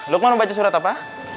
lukman mau baca surat apa